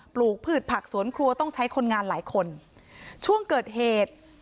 ลูกพืชผักสวนครัวต้องใช้คนงานหลายคนช่วงเกิดเหตุ